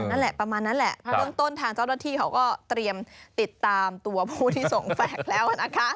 นั่นแหละประมาณนั้นแหละเบื้องต้นทางเจ้าหน้าที่เขาก็เตรียมติดตามตัวผู้ที่ส่งแฝกแล้วนะคะ